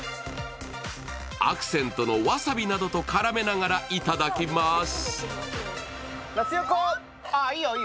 アクセントのわさびなどと絡めながらいただきます。